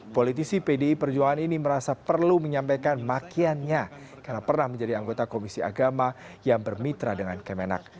politisi pdi perjuangan ini merasa perlu menyampaikan makiannya karena pernah menjadi anggota komisi agama yang bermitra dengan kemenak